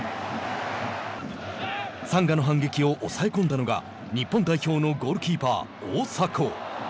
サンガの反撃を抑え込んだのが日本代表のゴールキーパー、大迫。